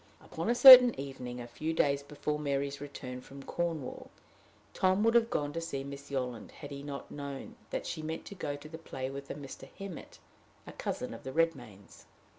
Upon a certain evening, a few days before Mary's return from Cornwall, Tom would have gone to see Miss Yolland had he not known that she meant to go to the play with a Mr. Emmet, a cousin of the Redmains.